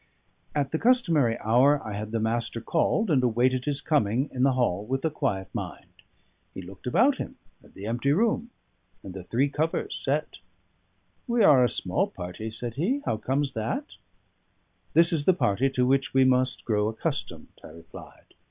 At the customary hour I had the Master called, and awaited his coming in the hall with a quiet mind. He looked about him at the empty room and the three covers set. "We are a small party," said he. "How comes that?" "This is the party to which we must grow accustomed," I replied.